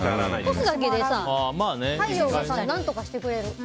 干すだけで太陽が何とかしてくれる。